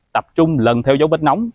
tập trung lần theo dấu vết nóng